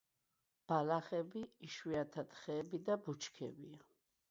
ბალახები, იშვიათად ხეები და ბუჩქებია.